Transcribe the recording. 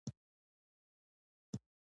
ښوونځی د ولس تربیه کوي